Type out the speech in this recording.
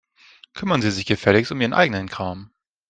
Kümmern Sie sich gefälligst um Ihren eigenen Kram.